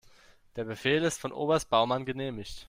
Der Befehl ist von Oberst Baumann genehmigt.